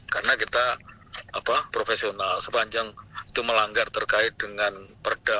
karena kita profesional sepanjang itu melanggar terkait dengan perda